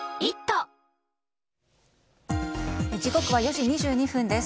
時刻は４時２２分です。